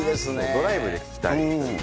ドライブで聴きたい？